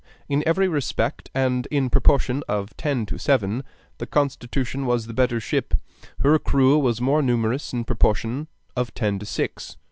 In every respect, and in proportion of ten to seven, the Constitution was the better ship; her crew was more numerous in proportion of ten to six.